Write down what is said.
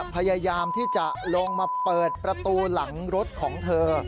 พยายามที่จะลงมาเปิดประตูหลังรถของเธอ